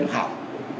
đó là học